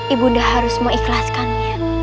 ibu nda harus mengikhlaskannya